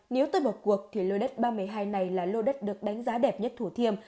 nếu tôi bỏ cuộc thì lô đất ba trăm một mươi hai này là lô đất được đánh giá đẹp nhất thủ thiêm